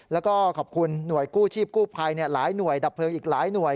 แล้วก็ขอบคุณหน่วยกู้ชีพกู้ภัยหลายหน่วยดับเพลิงอีกหลายหน่วย